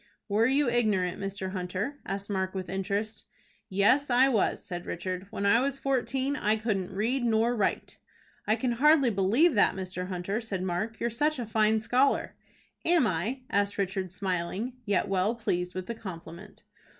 "Were you ignorant, Mr. Hunter?" asked Mark, with interest. "Yes, I was," said Richard. "When I was fourteen, I couldn't read nor write." "I can hardly believe that, Mr. Hunter," said Mark. "You're such a fine scholar." "Am I?" asked Richard, smiling, yet well pleased with the compliment.